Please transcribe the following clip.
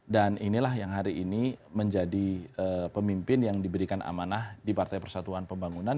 dan inilah yang hari ini menjadi pemimpin yang diberikan amanah di partai persatuan pembangunan